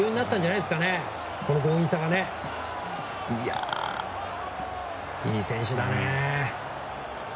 いい選手だね。